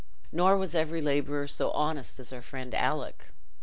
Nor was every labourer so honest as our friend Alick.